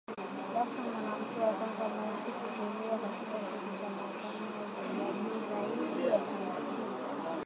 Jackson, mwanamke wa kwanza mweusi kuteuliwa katika kiti cha mahakama ya juu zaidi ya taifa